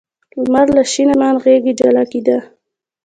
لمر له شین اسمان غېږې جلا کېده.